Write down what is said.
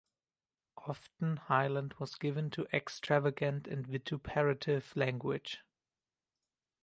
Often Hyland was given to extravagant and vituperative language.